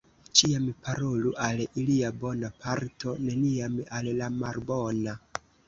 Ĉiam parolu al ilia bona parto, neniam al la malbona.